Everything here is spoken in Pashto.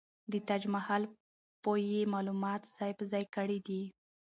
د تاج محل په يې معلومات ځاى په ځاى کړي دي.